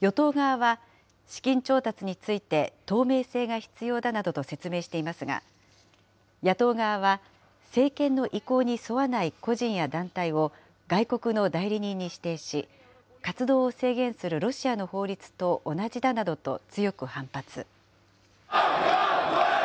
与党側は、資金調達について透明性が必要だなどと説明していますが、野党側は政権の意向に沿わない個人や団体を、外国の代理人に指定し、活動を制限するロシアの法律と同じだなどと強く反発。